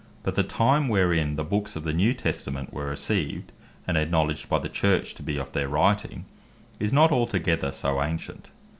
But the time wherein the Books of the New Testament were received, and acknowledged by the Church to be of their writing, is not altogether so ancient.